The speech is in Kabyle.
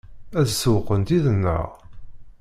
Ad sewwqent yid-neɣ?